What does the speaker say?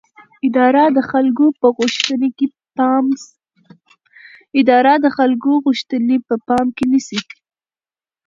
اداره د خلکو غوښتنې په پام کې نیسي.